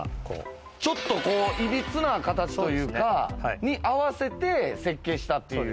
ちょっと歪な形というかに合わせて設計したっていう。